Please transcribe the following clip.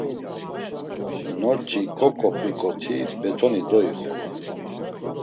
Norç̆i k̆ok̆oxvik̆oti betoni doyi xolo.